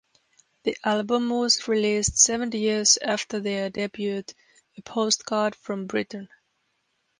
The album was released seven years after their debut "A Postcard from Britain".